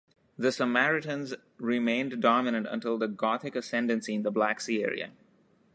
The Sarmatians remained dominant until the Gothic ascendancy in the Black Sea area.